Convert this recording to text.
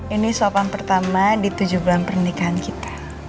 ini suapan pertama di tujuh bulan pernikahan kita